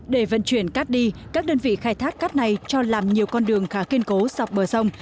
để vận chuyển cát đi các đơn vị khai thác cát này cho làm nhiều con đường khá kiên cố dọc bờ sông